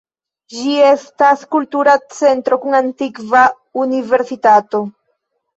Ĝi estas kultura centro kun antikva universitato.